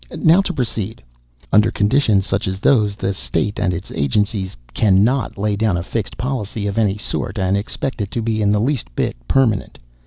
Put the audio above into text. Now, to proceed: "Under conditions such as those, the state and its agencies cannot lay down a fixed policy of any sort, and expect it to be in the least permanent.